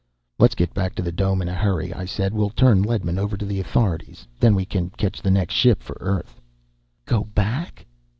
"Let's get back to the Dome in a hurry," I said. "We'll turn Ledman over to the authorities. Then we can catch the next ship for Earth." "Go back?